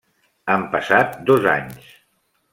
Han passat dos anys.